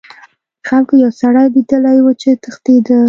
خلکو یو سړی لیدلی و چې تښتیده.